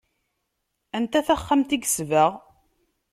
Anta taxxamt i yesbeɣ?